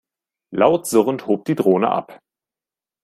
Laut surrend hob die Drohne ab.